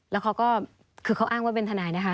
แล้วเขาก็คือเขาอ้างว่าเป็นทนายนะคะ